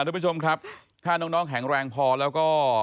ทุกผู้ชมครับถ้าน้องแข็งแรงพอแล้วก็